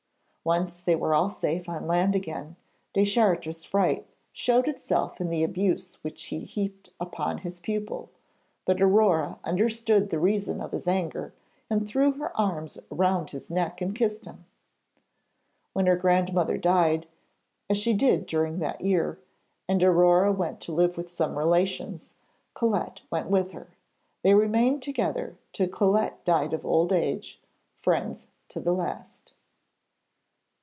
Once they were all safe on land again, Deschartres' fright showed itself in the abuse which he heaped upon his pupil, but Aurore understood the reason of his anger, and threw her arms round his neck and kissed him. When her grandmother died, as she did during that year, and Aurore went to live with some relations, Colette went with her. They remained together till Colette died of old age, friends to the last.